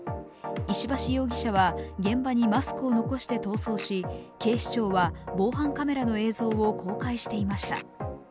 石橋容疑者は現場にマスクを残して逃走し警視庁は、防犯カメラの映像を公開していました。